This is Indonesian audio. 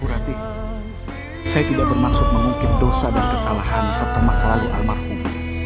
burati saya tidak bermaksud mengungkink dosa dan kesalahan setelah masalah luar marhum